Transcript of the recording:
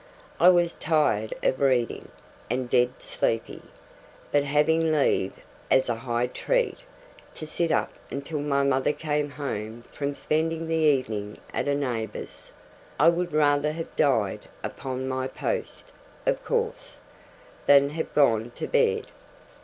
I was tired of reading, and dead sleepy; but having leave, as a high treat, to sit up until my mother came home from spending the evening at a neighbour's, I would rather have died upon my post (of course) than have gone to bed.